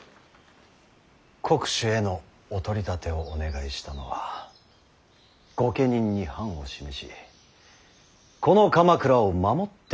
国守へのお取り立てをお願いしたのは御家人に範を示しこの鎌倉を守っていただきたいからです。